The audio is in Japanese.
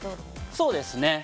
◆そうですね。